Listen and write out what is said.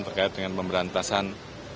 terkait dengan memberantasan